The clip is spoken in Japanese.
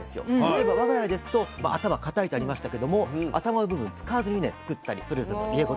例えば我が家ですと頭かたいとありましたけども頭の部分使わずにね作ったりするんですよ。